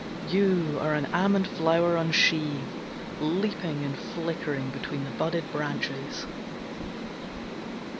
You are an almond flower unsheathed Leaping and flickering between the budded branches.